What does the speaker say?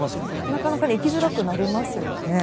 なかなか行きづらくなりますよね。